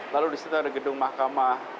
lalu di situ ada gedung mahkamah